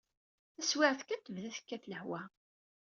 Taswiɛt kan tebda tekkat lehwa.